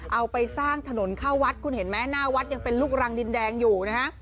เอาไปสร้างถนนเข้าวัดคุณเห็นไหมหน้าวัดยังเป็นลูกรังดินแดงอยู่นะฮะ